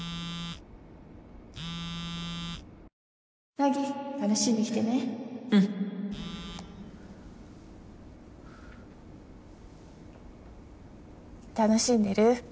凪楽しんできてねうん楽しんでる？